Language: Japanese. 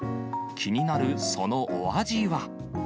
気になるそのお味は。